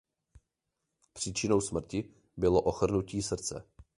Příčinou smrti bylo "ochrnutí srdce".